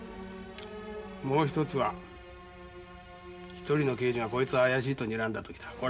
もう一つは１人の刑事がこいつは怪しいとにらんだ時だ。